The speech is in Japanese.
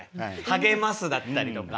励ますだったりとか。